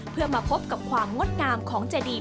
เพื่อมาพบกับความงดงามของเจดี